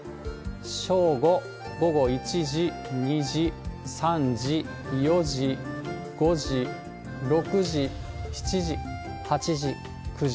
正午、午後１時、２時、３時、４時、５時、６時、７時、８時、９時。